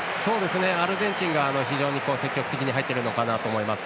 アルゼンチンが非常に積極的に入っていったと思います。